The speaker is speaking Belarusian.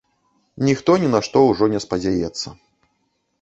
Ніхто ні на што ўжо не спадзяецца.